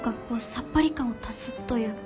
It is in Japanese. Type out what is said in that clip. さっぱり感を足すというか。